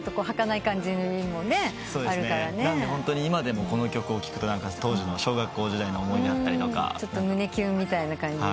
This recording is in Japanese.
なのでホントに今でもこの曲を聴くと当時の小学校時代の思い出だったりとか。ちょっと胸キュンみたいな感じ。